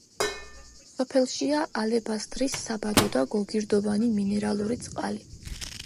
სოფელშია ალებასტრის საბადო და გოგირდოვანი მინერალური წყალი.